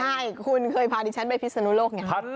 เขาเคยพาดิฉันไปพิษฎนุโลก